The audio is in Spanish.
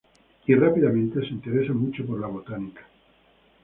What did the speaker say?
Y rápidamente se interesa mucho por la botánica.